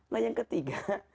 nah yang ketiga